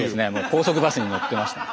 高速バスに乗ってました。